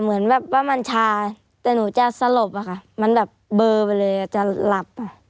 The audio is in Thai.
เหมือนแบบว่ามันชาแต่หนูจะสลบอะค่ะมันแบบเบอร์ไปเลยจะหลับ